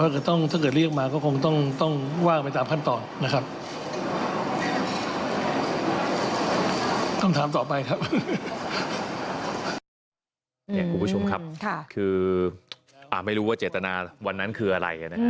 คืออ่าไม่รู้ว่าเจตนาวันนั้นคืออะไรครับ